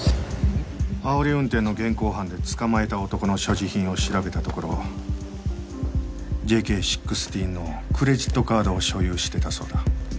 あおり運転の現行犯で捕まえた男の所持品を調べたところＪＫ１６のクレジットカードを所有してたそうだ